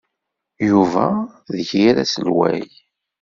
Yuba d yir asleɣmay.